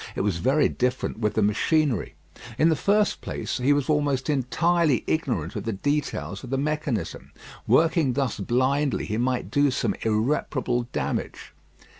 It was very different with the machinery. In the first place, he was almost entirely ignorant of the details of the mechanism. Working thus blindly he might do some irreparable damage.